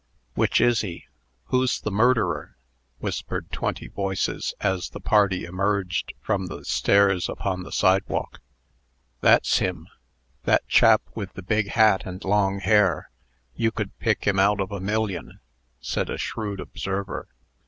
"Which is he?" "Who's the murderer?" whispered twenty voices, as the party emerged from the stairs upon the sidewalk. "That's him! That chap with the big hat and long hair. You could pick him out of a million," said a shrewd observer.